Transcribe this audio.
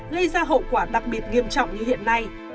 gây ra hậu quả đặc biệt nghiêm trọng như hiện nay